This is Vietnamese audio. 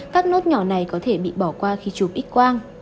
các nốt nhỏ này có thể bị bỏ qua khi chụp x quang